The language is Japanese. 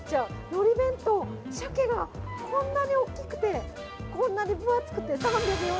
のり弁当、シャケがこんなに大きくて、こんなに分厚くて３４９円。